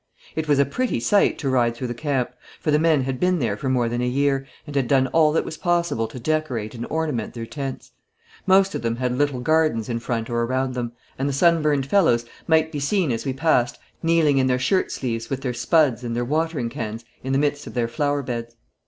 It was a pretty sight to ride through the camp, for the men had been there for more than a year, and had done all that was possible to decorate and ornament their tents. Most of them had little gardens in front or around them, and the sun burned fellows might be seen as we passed kneeling in their shirt sleeves with their spuds and their watering cans in the midst of their flower beds.